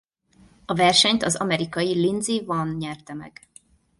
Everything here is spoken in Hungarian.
A versenyt az amerikai Lindsey Vonn nyerte meg.